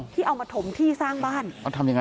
ที่เอามาถมที่สร้างบ้าน